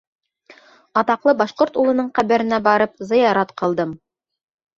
Атаҡлы башҡорт улының ҡәберенә барып, зыярат ҡылдым.